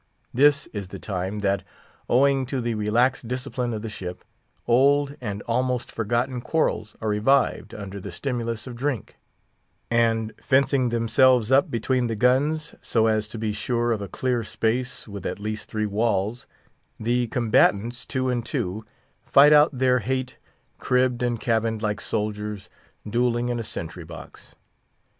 This is the time that, owing to the relaxed discipline of the ship, old and almost forgotten quarrels are revived, under the stimulus of drink; and, fencing themselves up between the guns—so as to be sure of a clear space with at least three walls—the combatants, two and two, fight out their hate, cribbed and cabined like soldiers duelling in a sentry box.